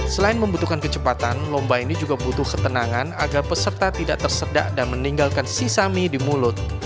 selain membutuhkan kecepatan lomba ini juga butuh ketenangan agar peserta tidak tersedak dan meninggalkan sisa mie di mulut